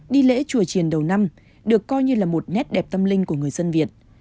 đi lễ chùa triền đầu năm được coi như là một nét đẹp tâm linh của người dân việt